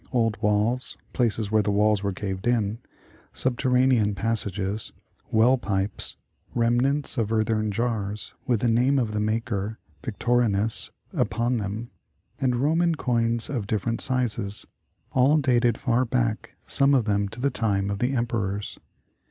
Old walls, places where the walls were caved in, subterranean passages, well pipes, remnants of 8 The Forest Village earthern jars with the name of the maker, "Victorin us, " upon them, and Roman coins of different sizes, all dated far back, some of them to the time of the Emperors.